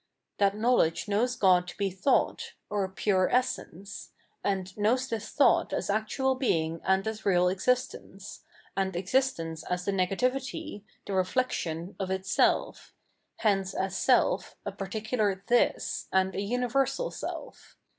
That knowledge knows God to be thought, or pure Essence; and knows this thought as actual being and as real existence, and existence as the nega tivity, the reflexion, of itself, hence as Self, a particular " this," and a universal self.